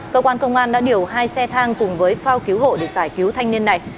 cơ quan công an đã điều hai xe thang cùng với phao cứu hộ để giải cứu thanh niên này